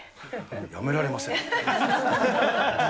やめられませんね。